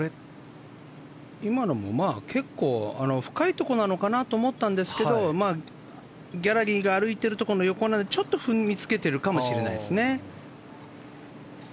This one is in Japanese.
今のも結構深いところなのかなと思ったんですがギャラリーが歩いているところの横なのでちょっと踏みつけてるかもしれないですね。